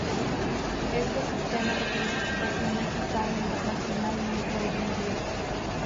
Este sistema de clasificación es usado internacionalmente hoy en día.